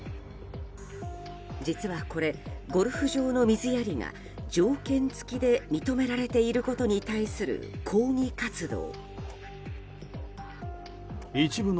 実はこれ、ゴルフ場の水やりが条件付きで認められていることに対する抗議活動。